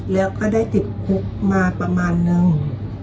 แล้วก็ได้ติดคุกมาประมาณนึง